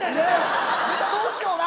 ネタどうしような。